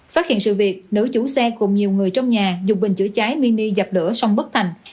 phát hiện sự việc nữ chủ xe cùng nhiều người trong nhà dùng bình chữa cháy mini dập lửa xong bất thành